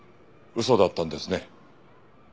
嘘だったんですね。